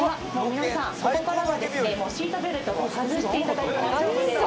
皆さん、ここからはシートベルト外していただいて大丈夫。